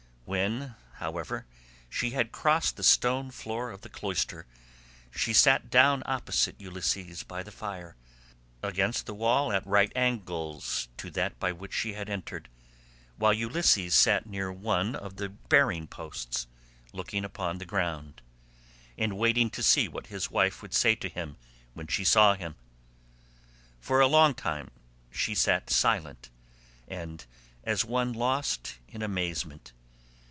When, however, she had crossed the stone floor of the cloister, she sat down opposite Ulysses by the fire, against the wall at right angles180 [to that by which she had entered], while Ulysses sat near one of the bearing posts, looking upon the ground, and waiting to see what his brave wife would say to him when she saw him. For a long time she sat silent and as one lost in amazement.